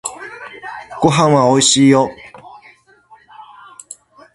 おでんはおいしいよ